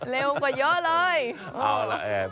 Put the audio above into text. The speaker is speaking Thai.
เร็วกว่าเยอะเลย